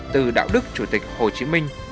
từ đạo đức chủ tịch hồ chí minh